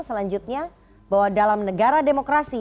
selanjutnya bahwa dalam negara demokrasi